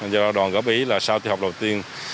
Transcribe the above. do đoàn góp ý là sau khi học đầu tiên